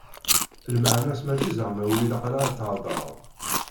Lmeεna-s mačči zeεma ur ilaq ara ad tḥadreḍ.